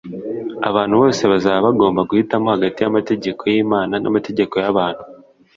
Abantu bose bazaba bagomba guhitamo hagati y'amategeko y'Imana n'amategeko y'abantu.